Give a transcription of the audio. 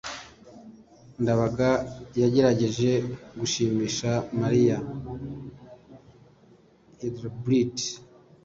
ndabaga yagerageje gushimisha mariya. (hybrid